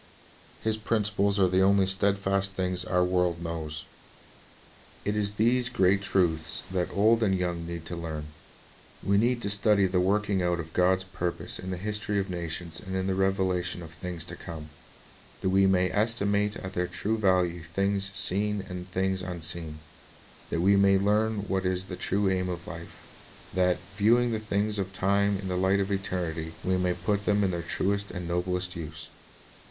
His principles are the only steadfast thines our world knows. A Lesson for To Dav 1 1 Peter 1 : 10 12. 1S4 The Bible as on Educator It is these great truths that old and young need to learn. We need to study the working out of God's purpose in the history of nations and in the revelation of things to come, that we may estimate at their true value things seen and things unseen; that we may learn what is the true aim of life; that, viewing the things of time in the light of eternity, we may put them to their truest and noblest use.